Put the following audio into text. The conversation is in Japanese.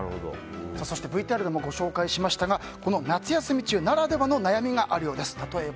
そしてＶＴＲでもご紹介しましたが夏休み中ならではの悩みがあるようです。